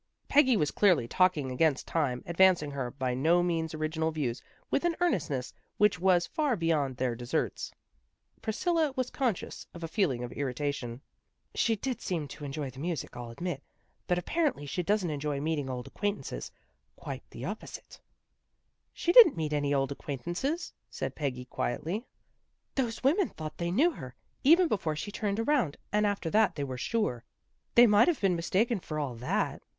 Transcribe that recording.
Peggy was clearly talking against time, advancing her by no means original views with an earnestness which was far beyond their deserts. Priscilla was con scious of a feeling of irritation. " She did seem to enjoy the music, I'll admit. But apparently she doesn't enjoy A BELATED INVITATION 257 meeting old acquaintances. Quite the oppo site." " She didn't meet any old acquaintances," said Peggy quietly. " Those women thought they knew her, even before she turned around, and after that they were sure." " They might have been mistaken for all that."